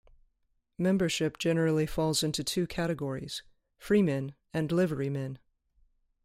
Membership generally falls into two categories: freemen and liverymen.